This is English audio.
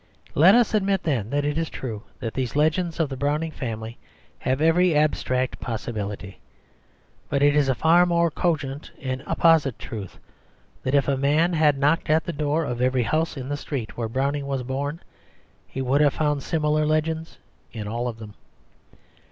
Let us admit then, that it is true that these legends of the Browning family have every abstract possibility. But it is a far more cogent and apposite truth that if a man had knocked at the door of every house in the street where Browning was born, he would have found similar legends in all of them.